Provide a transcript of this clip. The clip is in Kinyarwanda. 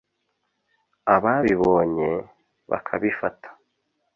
ababibonye bakabifata